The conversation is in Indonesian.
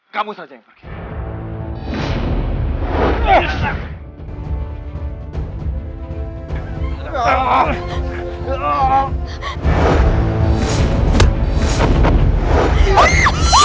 kamu saja yang pergi